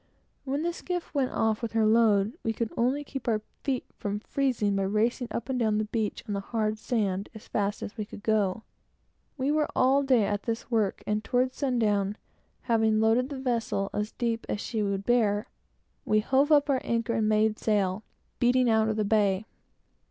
When the skiff went off with her load, we could only keep our feet from freezing by racing up and down the beach on the hard sand, as fast as we could go. We were all day at this work, and towards sundown, having loaded the vessel as deep as she would bear, we hove up our anchor, and made sail, beating out the bay.